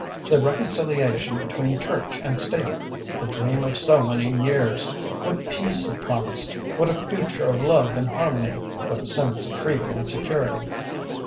The reconciliation between Church and State! The dream of so many years! What peace it promised, what a future of love and harmony! What a sense of freedom and security!